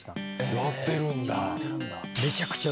やってるんだ。